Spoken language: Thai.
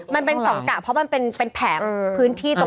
มันเป็นสองกะเพราะมันเป็นแผงพื้นที่ตรง